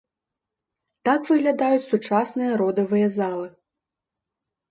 Так выглядаюць сучасныя родавыя залы.